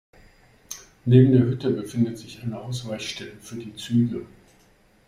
Neben der Hütte befindet sich eine Ausweichstelle für die Züge.